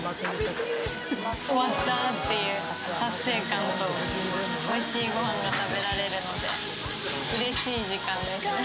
終わったっていう達成感と、おいしいご飯が食べられるので、うれしい時間です。